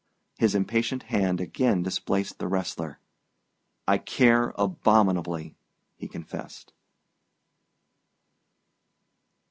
His impatient hand again displaced the wrestler. "I care abominably," he confessed.